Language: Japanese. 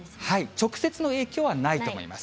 直接の影響はないと思います。